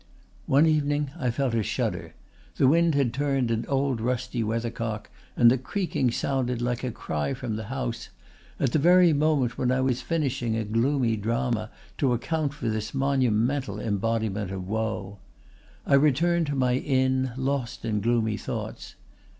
"One evening I felt a shudder; the wind had turned an old rusty weathercock, and the creaking sounded like a cry from the house, at the very moment when I was finishing a gloomy drama to account for this monumental embodiment of woe. I returned to my inn, lost in gloomy thoughts.